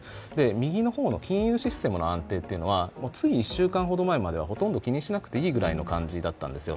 右の方の金融システムの安定というのはつい１週間ほど前まではほとんど気にしなくていいくらいの感じだったんですよ。